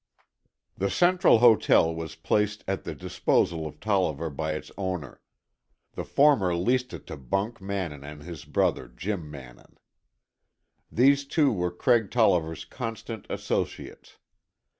The Central Hotel was placed at the disposal of Tolliver by its owner; the former leased it to Bunk Mannin and his brother, Jim Mannin. These two were Craig Tolliver's constant associates.